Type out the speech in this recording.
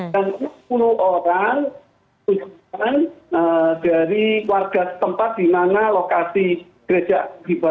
dan enam puluh orang dari warga tempat di mana lokasi gereja